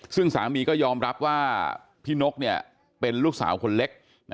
ซึ่งสามีก็ยอมรับว่าพี่นกเป็นลูกสาวคนเล็ก